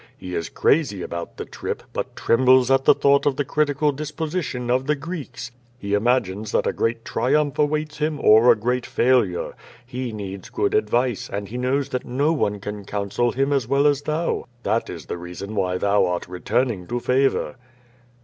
He is crazy about the trip, but trembles at the thought of the critical disposition of the Greeks. He imagines that a great triumph awaits him or a great failure. He needs good advice, and he knows that no one can counsel him as well as thou. That is the reason why thou art returning to favor."